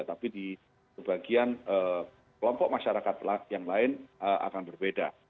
tapi di sebagian kelompok masyarakat yang lain akan berbeda